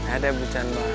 udah bocan mbak